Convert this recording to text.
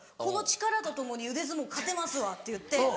この力と共に腕相撲勝てますわ」って言って。